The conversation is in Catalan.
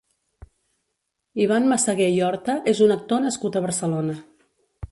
Iván Massagué i Horta és un actor nascut a Barcelona.